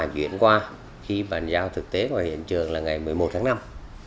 đức hòa khi bàn giao thực tế ngoài hiện trường là ngày một mươi một tháng năm năm hai nghìn một mươi sáu